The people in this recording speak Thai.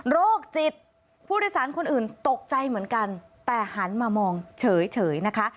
โรคจิตผู้โดยสารคนอื่นตกใจเหมือนกันแต่หันมามองเฉยนะคะ